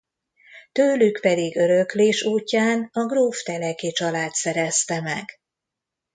Tőlük pedig öröklés útján a gróf Teleki család szerezte meg.